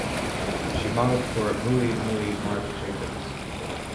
She modeled for Miu Miu Marc Jacobs.